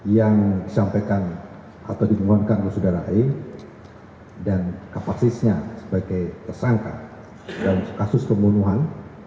yang disampaikan atau dimohonkan oleh saudara e dan kapasitasnya sebagai tersangka dalam kasus pembunuhan